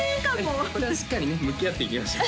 こちらはしっかりね向き合っていきましょう